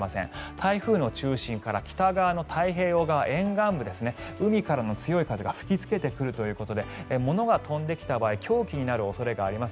台風の中心から北側の沿岸部海からの強い風が吹きつけてくるということで物が飛んできた場合凶器になる恐れがあります。